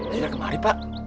tidak kemari pak